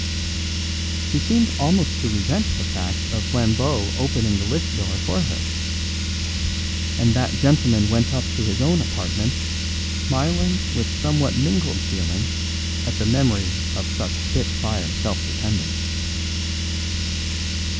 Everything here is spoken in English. She seemed almost to resent the fact of Flambeau opening the lift door for her; and that gentleman went up to his own apartments smiling with somewhat mingled feelings at the memory of such spit fire self dependence.